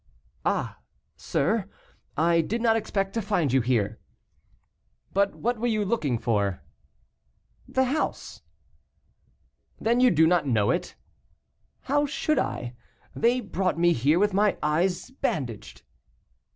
"Ah, sir, I did not expect to find you here." "But what were you looking for?" "The house." "Then you do not know it?" "How should I? They brought me here with my eyes bandaged."